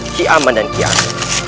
kiaman dan kiaman